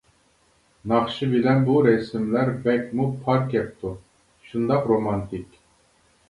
ناخشا بىلەن بۇ رەسىملەر بەكمۇ پار كەپتۇ، شۇنداق رومانتىك.